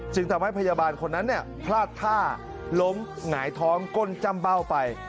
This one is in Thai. ทำให้พยาบาลคนนั้นพลาดท่าล้มหงายท้องก้นจ้ำเบ้าไป